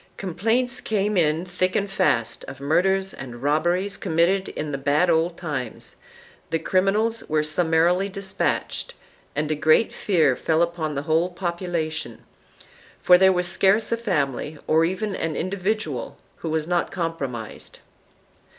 Complaints came in thick and fast of murders and robberies committed in the bad old times; the criminals were summarily dispatched, and a great fear fell upon the whole population, for there was scarce a family or even an individual who was not compromised.